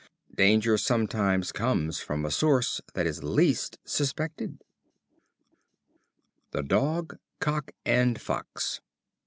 Danger sometimes comes from a source that is least suspected. The Dog, Cock and Fox.